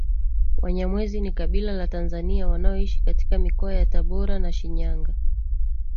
Wanyamwezi ni kabila la Tanzania wanaoishi katika mikoa ya Tabora na Shinyanga